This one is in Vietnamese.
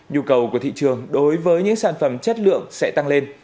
nhu cầu của thị trường đối với những sản phẩm chất lượng sẽ tăng lên